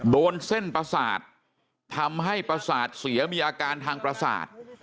โดนเส้นประสาททำให้ประสาทเสียมีอาการทางประสาท